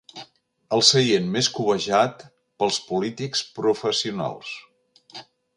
El seient més cobejat pels polítics professionals.